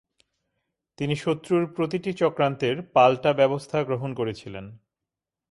তিনি শত্রুর প্রতিটি চক্রান্তের পাল্টা ব্যবস্থা গ্রহণ করেছিলেন।